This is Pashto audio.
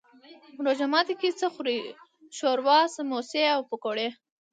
روژه ماتی کی څه خورئ؟ شوروا، سموسي او پکوړي